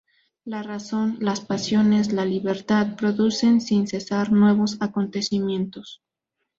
La razón, las pasiones, la libertad producen sin cesar nuevos acontecimientos.